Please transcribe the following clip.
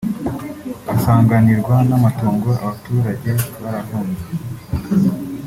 asanganirwa n’amatongo; abaturage barahunze